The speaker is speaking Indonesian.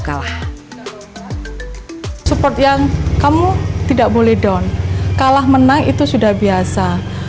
kalah support yang kamu tidak boleh down kalah menang itu sudah biasa